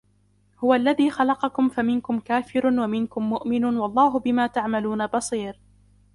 هُوَ الَّذِي خَلَقَكُمْ فَمِنْكُمْ كَافِرٌ وَمِنْكُمْ مُؤْمِنٌ وَاللَّهُ بِمَا تَعْمَلُونَ بَصِيرٌ